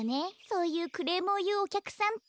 そういうクレームをいうおきゃくさんって。